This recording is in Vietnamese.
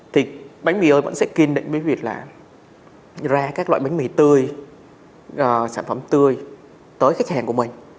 thì bánh mì ơi vẫn sẽ kiên định với việc là ra các loại bánh mì tươi sản phẩm tươi tới khách hàng của mình